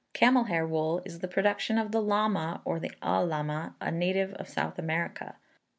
Camel hair wool is the production of the llama, or al lama, a native of South America.